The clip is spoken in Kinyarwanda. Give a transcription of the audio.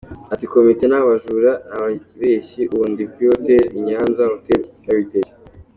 Ati" Komite ni abajura, ni ababeshyi, ubu ndi kuri Hotel I Nyanza, Hotel Heritage.